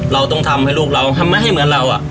เราต้องทำให้ลูกเราทำให้เหมือนเรา